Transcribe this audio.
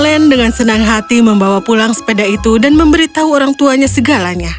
alen dengan senang hati membawa pulang sepeda itu dan memberitahu orang tuanya segalanya